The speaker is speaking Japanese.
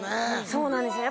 そうなんですよ。